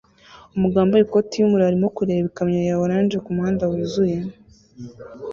Umugabo wambaye ikoti yumuriro arimo kureba ikamyo ya orange kumuhanda wuzuye